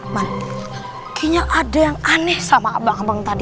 kayaknya ada yang aneh sama abang abang tadi